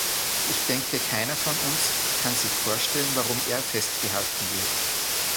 Ich denke, keiner von uns kann sich vorstellen, warum er festgehalten wird.